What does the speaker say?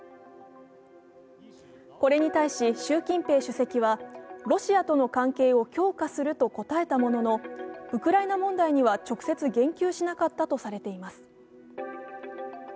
これに対し習近平主席はロシアとの関係を強化すると答えたもののウクライナ問題には直接言及しなかったとされています。